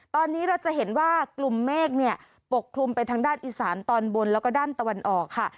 ตอนนี้เราจะเห็นว่ากลุ่มเมฆเนี่ยปกคลุมไปทางด้านอีสานตอนบนแล้วก็ด้านตะวันออกค่ะ